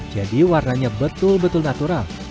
jadi warnanya betul betul natural